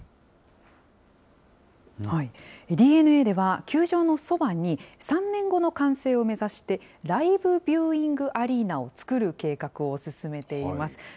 ＤｅＮＡでは、球場のそばに、３年後の完成を目指して、ライブビューイングアリーナを作る計画を進めています。